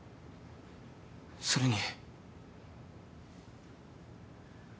それに。